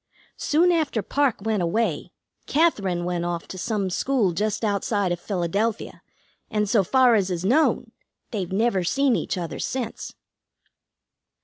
Soon after Parke went away, Katherine went off to some school just outside of Philadelphia, and, so far as is known, they've never seen each other since."